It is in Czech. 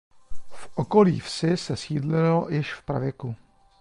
V okolí vsi se sídlilo již v pravěku.